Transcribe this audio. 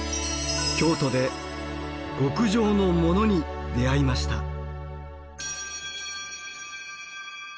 京都で極上のモノに出会いました。